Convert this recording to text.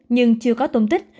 nhưng chưa có tôn tích